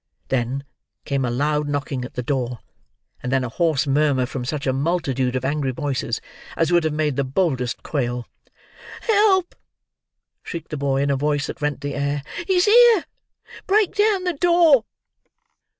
Then, came a loud knocking at the door, and then a hoarse murmur from such a multitude of angry voices as would have made the boldest quail. "Help!" shrieked the boy in a voice that rent the air. "He's here! Break down the door!"